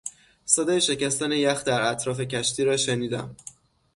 صدای شکستن یخ در اطراف کشتی را شنیدم.